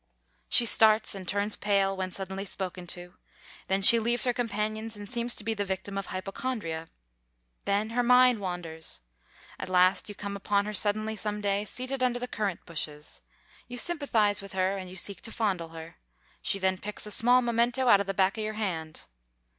She starts and turns pale when suddenly spoken to. Then she leaves her companions and seems to be the victim of hypochondria. Then her mind wanders. At last you come upon her suddenly some day, seated under the currant bushes. You sympathize with her and you seek to fondle her. She then picks a small memento out of the back of your hand.